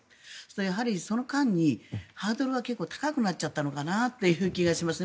やはりその間にハードルが結構、高くなっちゃったのかなという気がしますね。